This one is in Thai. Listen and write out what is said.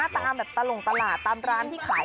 ตามแบบตลงตลาดตามร้านที่ขาย